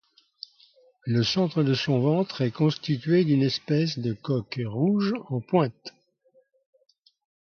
Le centre de son ventre est constitué d'une espèce de coque rouge en pointe.